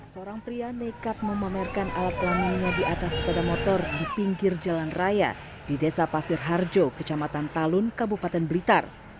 seorang pria nekat memamerkan alat kelaminnya di atas sepeda motor di pinggir jalan raya di desa pasir harjo kecamatan talun kabupaten blitar